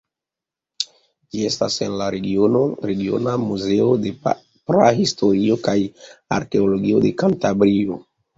Ĝi estas en la Regiona Muzeo de Prahistorio kaj Arkeologio de Kantabrio.